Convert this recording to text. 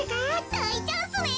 だいチャンスね。